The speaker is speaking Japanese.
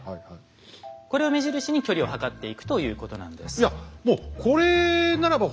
これを目印に距離を測っていくということなんです。